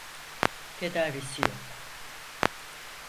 Tedavisi yok.